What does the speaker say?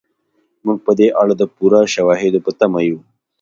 موږ په دې اړه د پوره شواهدو په تمه یو.